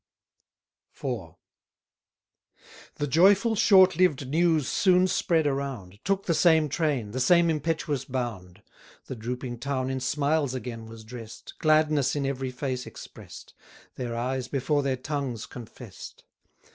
IV. The joyful short lived news soon spread around, Took the same train, the same impetuous bound: The drooping town in smiles again was dress'd, Gladness in every face express'd, Their eyes before their tongues confess'd.